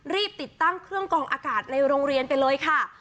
ติดตั้งเครื่องกองอากาศในโรงเรียนไปเลยค่ะ